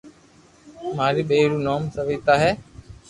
ماري ٻئير رو نوم سويتا ھو